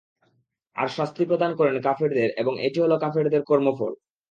আর শাস্তি প্রদান করেন কাফেরদের এবং এটি হল কাফেরদের কর্মফল।